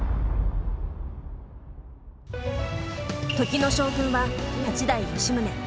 時の将軍は八代・吉宗。